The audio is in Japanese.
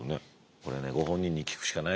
これはねご本人に聞くしかないですよ。